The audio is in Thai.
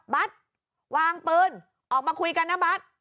บ๊าซวางปืนออกมาคุยกันนะบ๊าซ